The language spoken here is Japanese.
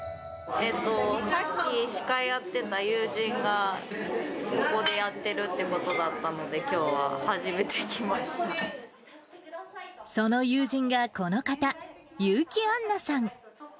さっき司会やってた友人が、ここでやってるってことだったので、その友人がこの方、結城アンナさん。